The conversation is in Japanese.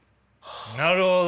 なるほど。